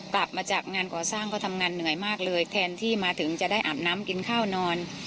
กลับมาจากงานก่อสร้างก็ทำงานเหนื่อยมากเลยแทนที่มาถึงจะได้อาบน้ำกินข้าวนอน